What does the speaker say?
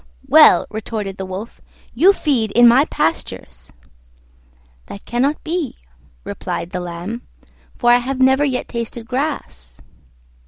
"Well," retorted the Wolf, "you feed in my pastures." "That cannot be," replied the Lamb, "for I have never yet tasted grass."